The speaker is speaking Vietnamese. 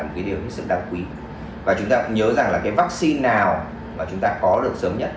một cái điều hết sức đáng quý và chúng ta cũng nhớ rằng là cái vaccine nào mà chúng ta có được sớm nhất